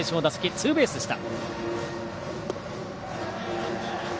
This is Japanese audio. ツーベースでした。